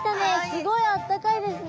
すごいあったかいですね。